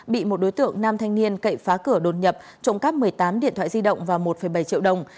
bị một đối tượng nam thanh niên cậy phá cửa đột nhập trộm cắp một mươi tám điện thoại di động và một bảy triệu đồng